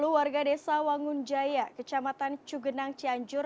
lima puluh warga desa wangunjaya kecamatan cigenang cianjur